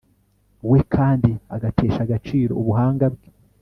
we kandi agatesha agaciro ubuhanga bwe